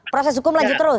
proses hukum lanjut terus